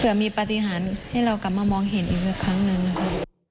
เพื่อมีปฏิหารให้เรากลับมามองเห็นอีกครั้งหนึ่งนะคะ